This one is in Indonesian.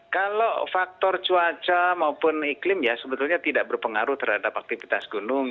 kalau faktor cuaca maupun iklim ya sebetulnya tidak berpengaruh terhadap aktivitas gunung